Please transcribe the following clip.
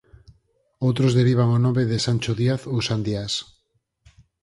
Outros derivan o nome de Sancho Díaz ou Sandiás.